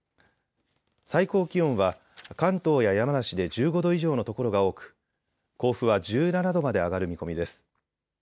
最高気温は関東や山梨で１５度以上の所が多く甲府は１７度まで上がる見込みです。